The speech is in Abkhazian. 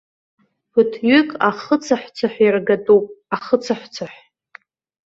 Ԥыҭҩык ахы цаҳә-цаҳә иаргатәуп, ахы цаҳә-цаҳә!